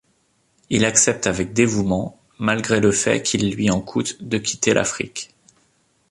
Il accepte avec dévouement malgré le fait qu'il lui en coûte de quitter l’Afrique.